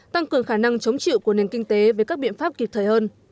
tăng cường khả năng chống chịu của nền kinh tế với các biện pháp kịp thời hơn